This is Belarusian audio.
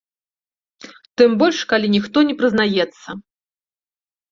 Тым больш калі ніхто не прызнаецца.